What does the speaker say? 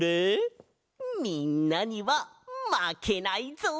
みんなにはまけないぞ！